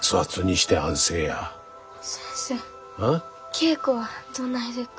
稽古はどないでっか？